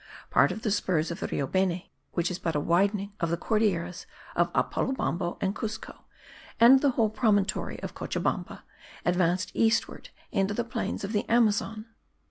Part of the spurs of the Rio Beni, which is but a widening of the Cordilleras of Apolobamba and Cuzco and the whole promontory of Cochabamba, advance eastward into the plains of the Amazon.